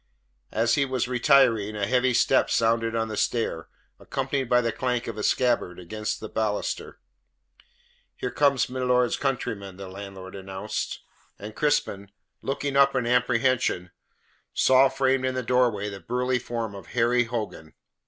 As he was retiring, a heavy step sounded on the stair, accompanied by the clank of a scabbard against the baluster. "Here comes milord's countryman," the landlord announced. And Crispin, looking up in apprehension, saw framed in the doorway the burly form of Harry Hogan.